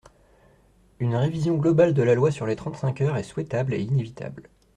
Une révision globale de la loi sur les trente-cinq heures est souhaitable et inévitable.